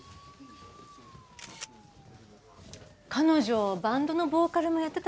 彼女バンドのボーカルもやってたのね。